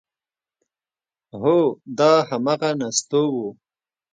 هو دا همغه نستوه و…